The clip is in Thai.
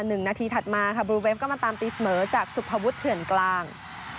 หนึ่งนาทีถัดมาค่ะบลูเวฟก็มาตามตีเสมอจากสุภวุฒิเถื่อนกลาง